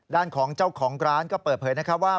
ด้านของเจ้าของร้านก็เปิดเผยนะครับว่า